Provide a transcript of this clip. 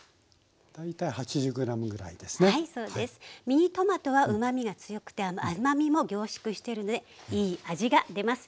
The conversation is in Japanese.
ミニトマトはうまみが強くて甘みも凝縮してるのでいい味が出ます。